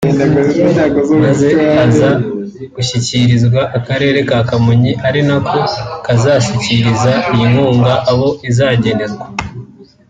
maze aza gushyikirizwa akarere ka Kamonyi ari nako kazashyikiriza iyi nkunga abo izagenerwa